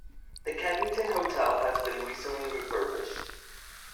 The Kevington Hotel has been recently refurbished.